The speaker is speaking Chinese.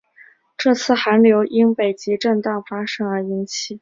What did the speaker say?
这次寒流因北极震荡发生而引起。